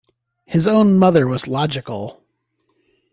His own mother was logical.